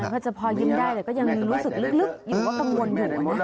ก็จะพอยิ้มได้แต่ก็ยังรู้สึกลึกอยู่ก็กังวลอยู่